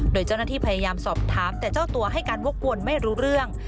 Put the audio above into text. โดยเจ้าหน้าที่พยายามสอบถามแต่เจ้าตัวให้การวกวนไม่รู้เรื่อง